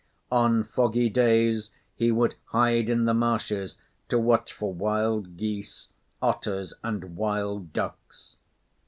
On foggy days, he would hide in the marshes to watch for wild geese, otters and wild ducks.